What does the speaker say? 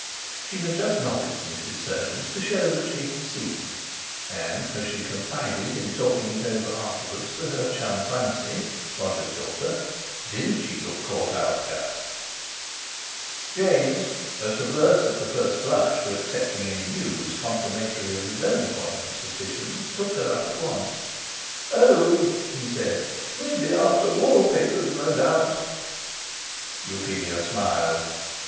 She had just nodded to Mrs. Soames, to show her that she had seen; and, as she confided, in talking it over afterwards, to her chum Francie (Roger's daughter), "Didn't she look caught out just?..." James, most averse at the first blush to accepting any news confirmatory of his own poignant suspicions, took her up at once. "Oh" he said, "they'd be after wall papers no doubt." Euphemia smiled.